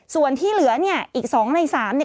ส่วนที่เหลือเนี่ยอีก๒ใน๓เนี่ย